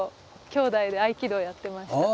きょうだいで合気道やってました。